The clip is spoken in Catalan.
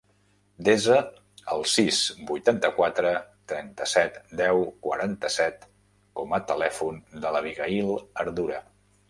Desa el sis, vuitanta-quatre, trenta-set, deu, quaranta-set com a telèfon de l'Abigaïl Ardura.